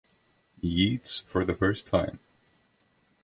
Yeats for the first time.